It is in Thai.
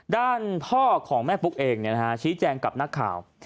ด้านพ่อของแม่ปุ๊กเองชี้แจงกับนักข่าว